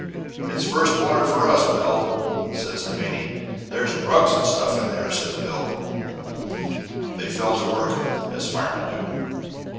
"It's first water for us, Bill," said Devanny. "There's drugs and stuff in there," said Bill. Then they fell to work as firemen do.